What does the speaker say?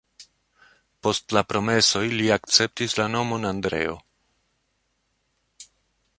Post la promesoj li akceptis la nomon Andreo.